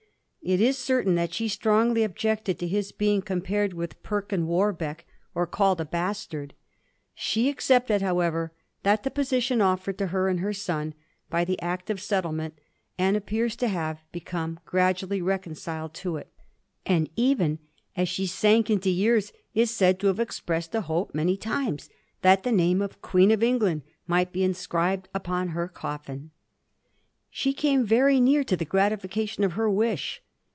It is i^rtain that she strongly objected to his being com pared with Perkin Warbeck or called a bastard. Digiti zed by Google 6 A HISTORY OF THE POUR GEORGES. ck. u She accepted, however, the position offered to her and her son by the Act of Settlement, and appears to have become gradually reconciled to it, and even as she sank into years is said to have expressed a hope many times that the name of Queen of England might be inscribed upon her coffin. She came very near to the gratification of her wish.